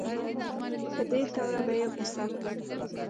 په دې توره به یې غوڅه کړم.